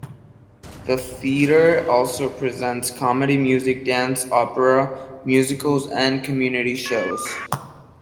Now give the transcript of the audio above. The theatre also presents comedy, music, dance, opera, musicals and community shows.